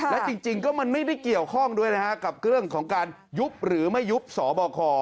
และจริงก็มันไม่ได้เกี่ยวข้องด้วยนะฮะกับเรื่องของการยุบหรือไม่ยุบสบค